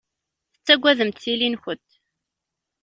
Tettagademt tili-nwent.